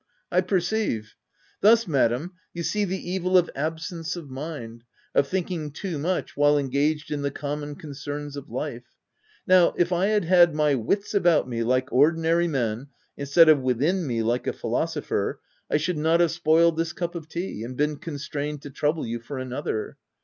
"Um! I perceive. Thus, Ma dam, you see the evil of absence of mind — of thinking too much while engaged in the com mon concerns of life. Now if I had had my wits about me, like ordinary men, instead of within me like a philosopher, I should not have spoiled this cup of tea, and been constrained to trouble you for another.